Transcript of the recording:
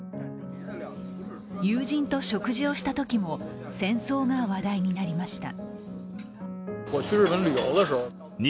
友人と食事をしたときも戦争が話題になりました。